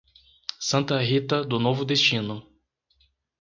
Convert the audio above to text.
Santa Rita do Novo Destino